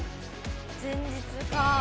前日かあ。